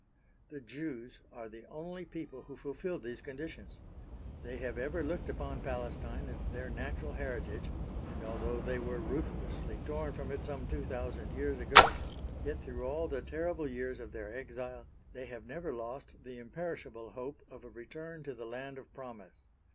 The Jews are the only people who fulfil these conditions. They have ever looked upon Palestine as their natural heritage, and although they were ruthlessly torn from it some two thousand years ago, yet through all the terrible years of their exile they have never lost the imperishable hope of a return to the Land of Promise.